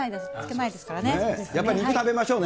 やっぱり、肉食べましょうね。